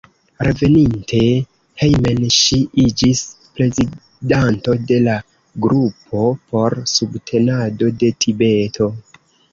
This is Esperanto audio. Reveninte hejmen ŝi iĝis prezidanto de la Grupo por Subtenado de Tibeto.